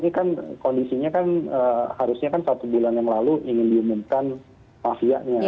ini kan kondisinya kan harusnya kan satu bulan yang lalu ingin diumumkan mafianya